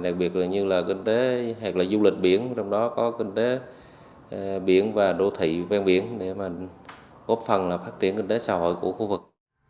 đặc biệt là như là kinh tế hoặc là du lịch biển trong đó có kinh tế biển và đô thị ven biển để góp phần phát triển kinh tế xã hội của khu vực